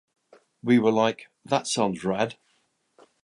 We were like, 'That sounds rad.